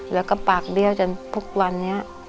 แล้วก็ปากเบี้ยวจนทุกวันนี้